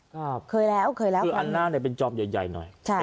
เคยแล้วเคยแล้วคืออันหน้าเนี่ยเป็นจอมใหญ่ใหญ่หน่อยใช่